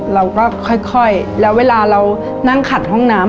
เราก็ค่อยแล้วเวลาเรานั่งขัดห้องน้ำ